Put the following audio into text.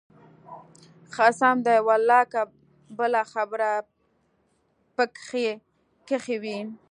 قسم دى ولله که بله خبره پکښې کښې وي.